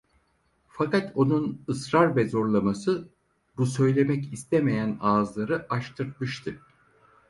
Fakat onun ısrar ve zorlaması, bu söylemek istemeyen ağızları açtırtmıştı.